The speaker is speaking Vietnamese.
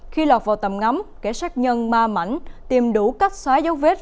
khi lọt vào tầm ngắm kẻ sát nhân ma mảnh tìm đủ cách xóa dấu vết